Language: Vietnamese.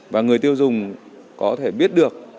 và người tiêu dùng có thể biết được